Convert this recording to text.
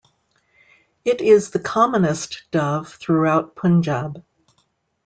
It is the commonest dove throughout Punjab.